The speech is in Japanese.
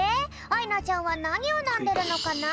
あいなちゃんはなにをのんでるのかな？